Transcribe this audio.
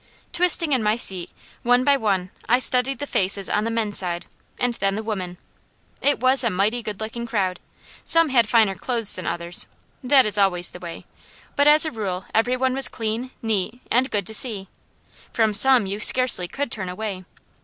Twisting in my seat, one by one I studied the faces on the men's side, and then the women. It was a mighty good looking crowd. Some had finer clothes than others that is always the way but as a rule every one was clean, neat, and good to see. From some you scarcely could turn away.